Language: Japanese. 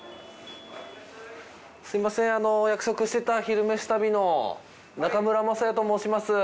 すみませんお約束してた「昼めし旅」の中村昌也と申します。